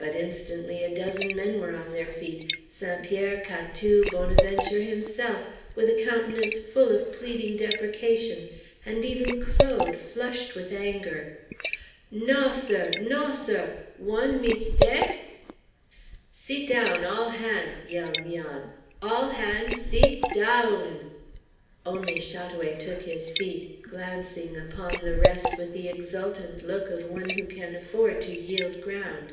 But instantly a dozen men were on their feet St. Pierre, Catou, Bonaventure himself, with a countenance full of pleading deprecation, and even Claude, flushed with anger. "Naw, sah! Naw, sah! Waun meesteck?" "Seet down, all han'!" yelled 'Mian; "all han' seet dah oon!" Only Chat oué took his seat, glancing upon the rest with the exultant look of one who can afford to yield ground.